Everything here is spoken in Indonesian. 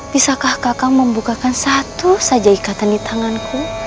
bisakah kakak membukakan satu saja ikatan di tanganku